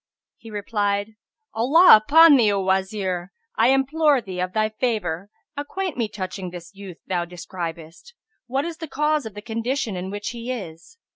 He replied, "Allah upon thee, O Wazir, I implore thee, of thy favour, acquaint me touching this youth thou describest, what is the cause of the condition in which he is."